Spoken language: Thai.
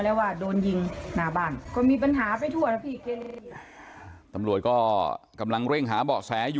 เรื่องต้นเนี่ยที่ไปก่อนไปเนี่ย